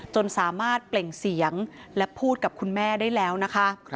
จนสามารถเปล่งเสียงและพูดกับคุณแม่ได้แล้วนะคะ